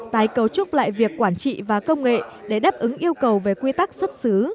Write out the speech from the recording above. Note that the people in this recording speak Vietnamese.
tái cấu trúc lại việc quản trị và công nghệ để đáp ứng yêu cầu về quy tắc xuất xứ